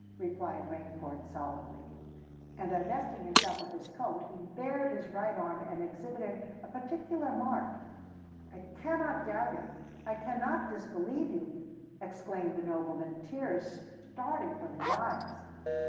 replied Rainford solemnly; and divesting himself of his coat, he bared his right arm and exhibited a particular mark. "I cannot doubt it—I cannot disbelieve you!" exclaimed the nobleman, tears starting from his eyes.